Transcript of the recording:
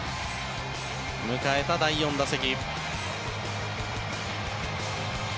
迎えた第４打席。